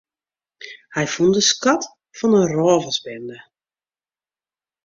Hy fûn de skat fan in rôversbinde.